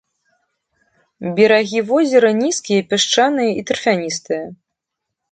Берагі возера нізкія, пясчаныя і тарфяністыя.